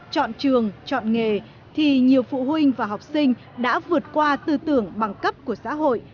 chọn trường chọn nghề thì nhiều phụ huynh và học sinh đã vượt qua tư tưởng bằng cấp của xã hội